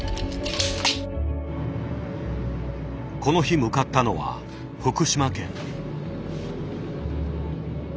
この日向かったのは福島県。